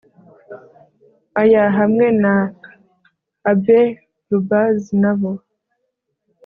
Ay hamwe na abbeylubbers nabo